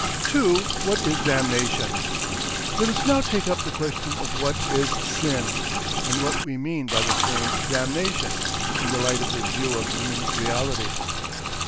2. WHAT IS DAMNATION? Let us now take up the question of what is Sin? and what we mean by the term "damnation," in the light of this view of human reality.